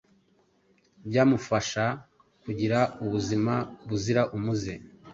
byamufasha kugira ubuzima buzira umuze.